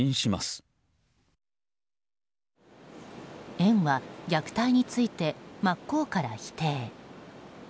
園は虐待について真っ向から否定。